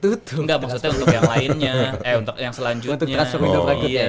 tidak maksudnya untuk yang selanjutnya